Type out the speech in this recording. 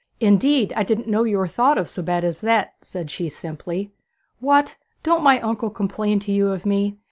'Indeed, I didn't know you were thought so bad of as that,' said she simply. 'What! don't my uncle complain to you of me?